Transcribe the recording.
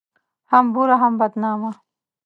هم بوره ، هم بدنامه